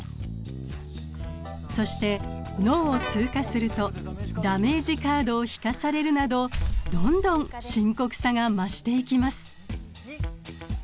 そして「脳」を通過するとダメージカードを引かされるなどどんどん深刻さが増していきます。